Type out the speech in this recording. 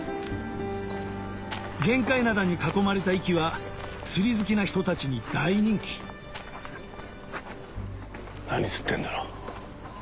玄界灘に囲まれた壱岐は釣り好きな人たちに大人気何釣ってんだろう？